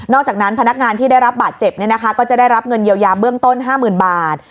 นอกจากนั้นพนักงานที่ได้รับบัตรเจ็บเนี่ยนะคะก็จะได้รับเงินเยียวยาเบื้องต้นห้าหมื่นบาท